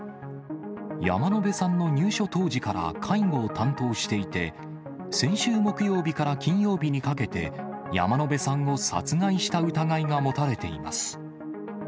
山野辺さんの入所当時から介護を担当していて、先週木曜日から金曜日にかけて、山野辺さんを殺害した疑いが持たれています。